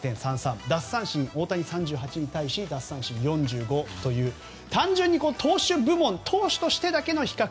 奪三振、大谷３８に対しシーズは４５ということで単純に投手としてだけの比較